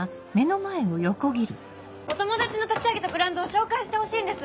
お友達の立ち上げたブランドを紹介してほしいんです。